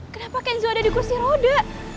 kenapa kenzo ada di kursi roda